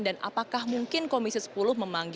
dan apakah mungkin komisi sepuluh sendiri akan melakukan itu